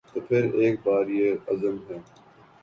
تو پھر ایک بار یہ عزم ہے